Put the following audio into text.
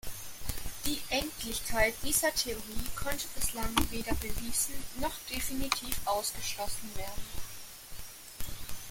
Die Endlichkeit dieser Theorie konnte bislang weder bewiesen noch definitiv ausgeschlossen werden.